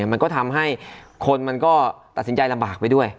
มันก็ทำให้คนมันก็ตัดสินใจลำบากไปด้วย